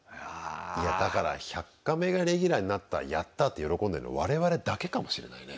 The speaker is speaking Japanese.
いやだから「１００カメ」がレギュラーになったやった！って喜んでるの我々だけかもしれないね。